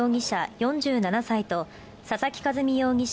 ４７歳と佐々木一美容疑者